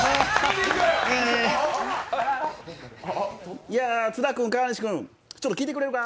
いや、津田君、川西君、ちょっと聞いてくれるか。